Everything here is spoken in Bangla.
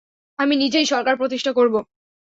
আমি নিজেই সরকার প্রতিষ্ঠা করব।